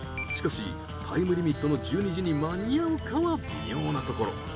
しかしタイムリミットの１２時に間に合うかは微妙なところ。